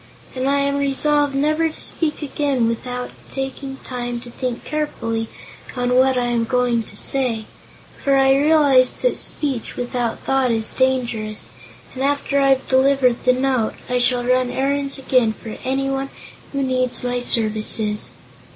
And I am resolved never to speak again without taking time to think carefully on what I am going to say, for I realize that speech without thought is dangerous. And after I've delivered the note, I shall run errands again for anyone who needs my services."